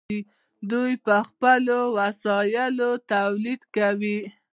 دوی په خپلو وسایلو تولید کاوه.